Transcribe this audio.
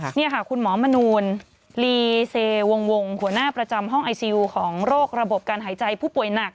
นี่ค่ะคุณหมอมนูลลีเซวงวงหัวหน้าประจำห้องไอซิลของโรคระบบการหายใจผู้ป่วยหนัก